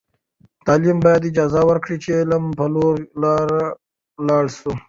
تعلیم باید اجازه ورکړي چې د علم په لور لاړ سو.